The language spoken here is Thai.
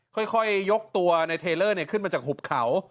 ค่อยยกตัวในเทเลอร์ขึ้นมาจากหุบเขา